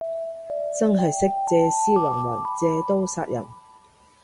真係識借屍還魂，借刀殺人